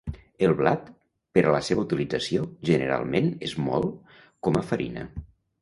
El blat, per a la seva utilització, generalment és mòlt com a farina.